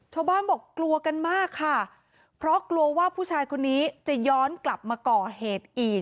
ชาวบ้านบอกกลัวกันมากค่ะเพราะกลัวว่าผู้ชายคนนี้จะย้อนกลับมาก่อเหตุอีก